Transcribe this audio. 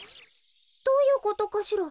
どういうことかしら。